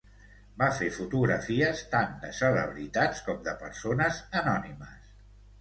Va fer fotografies tant de celebritats com de persones anònimes.